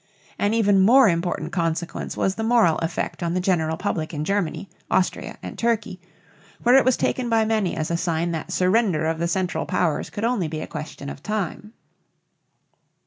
An even more important consequence was the moral effect on the general public in Germany, Austria, and Turkey, where it was taken by many as a sign that surrender of the Central Powers could only be a question of time.